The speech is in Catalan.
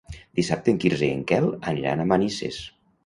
Dissabte en Quirze i en Quel aniran a Manises.